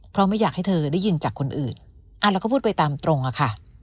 เพราะไม่อยากให้เธอได้ยินจากคนอื่นเราก็พูดไปตามตรงอะค่ะ